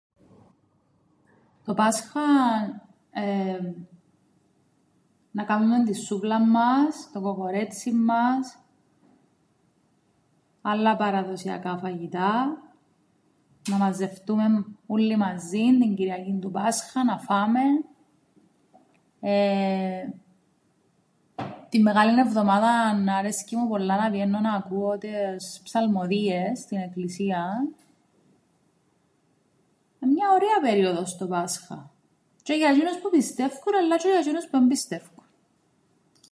Το Πάσχαν εεεμ εννά κάμουμεν την σούβλαν μας, το κοκορέτσιν μας, άλλα παραδοσιακά φαγητά, να μαζευτούμεν ούλλοι μαζίν την Κυριακήν του Πάσχα να φάμεν εεε την Μεγάλην Εβδομάδαν αρέσκει μου πολλά να πηαίννω να ακούω τες ψαλμωδίες στην εκκλησίαν, εν' μια ωραία περιόδος το Πάσχαν τζ̆αι για τζ̆είνους που πιστεύκουν αλλά τζαι για τζ̆είνους που εν πιστεύκουν.